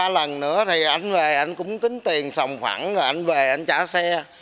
hai ba lần nữa thì anh về anh cũng tính tiền song phẳng rồi anh về anh trả xe